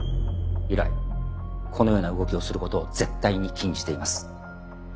以来このような動きをする事を絶対に禁じています。